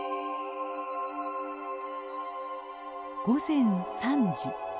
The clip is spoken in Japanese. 午前３時。